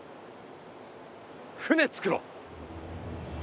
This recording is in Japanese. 船作ろう！